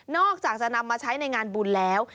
อกจากจะนำมาใช้ในงานบุญแล้ว